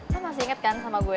aku masih inget kan sama gue